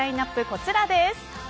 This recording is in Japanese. こちらです。